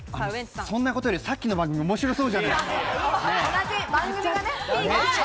そんなことより、さっきの番組面白そうじゃないですか。